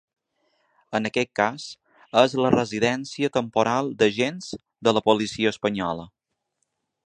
En aquest cas, és la residència temporal d’agents de la policia espanyola.